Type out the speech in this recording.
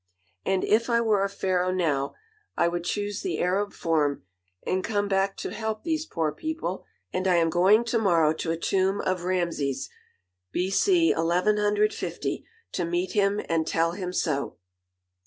... And if I were a Pharaoh now, I would choose the Arab form, and come back to help these poor people; and I am going to morrow to a tomb of Rameses, B.C. 1150, to meet him and tell him so....